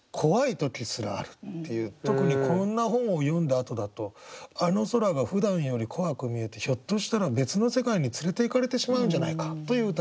特にこんな本を読んだあとだとあの空がふだんより怖く見えてひょっとしたら別の世界に連れていかれてしまうんじゃないかという歌にしてみました。